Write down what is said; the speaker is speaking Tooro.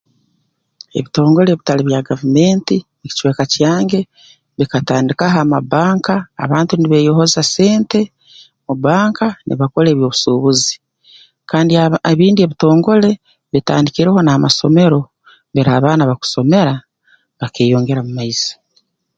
Ebitongole ebitali bya gavumenti mu kicweka kyange bikatandikaho amabbanka abantu nibeeyohoza sente mu bbanka nibakora eby'obusuubuzi kandi aba ebindi ebitongole bitandikireho n'amasomero mbere abaana bakusomera bakeeyongera mu maiso